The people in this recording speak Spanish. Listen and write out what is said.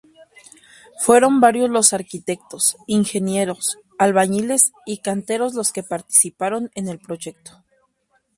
Fueron varios los arquitectos, ingenieros, albañiles y canteros los que participaron en el proyecto.